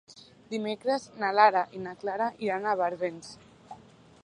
Dimecres na Lara i na Clara iran a Barbens.